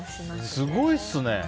すごいっすね。